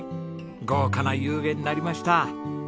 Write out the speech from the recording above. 豪華なゆうげになりました。